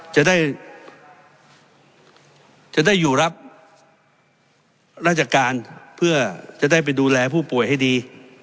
จะได้อยู่รับราชการเพื่อจะได้ไปดูแลผู้ป่วยให้ดี